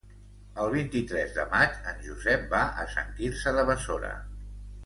El vint-i-tres de maig en Josep va a Sant Quirze de Besora.